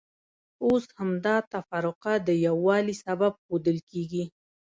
اوس همدا تفرقه د یووالي سبب ښودل کېږي.